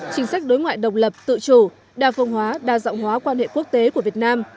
chính sách đối ngoại độc lập tự chủ đa phương hóa đa dọng hóa quan hệ quốc tế của việt nam